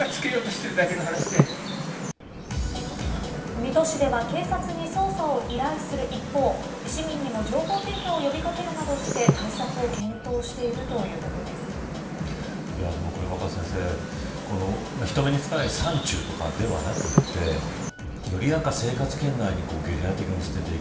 水戸市では警察に捜査を依頼する一方市民にも情報提供を呼び掛けるなどして対策を検討しているこれ、若狭先生人目につかない山中とかではなくてより生活圏内にゲリラ的に捨てていく。